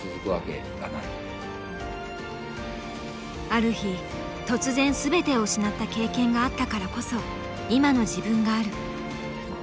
ある日突然全てを失った経験があったからこそ今の自分がある。